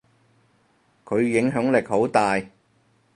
佢影響力好大。